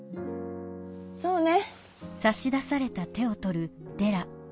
「そうね」。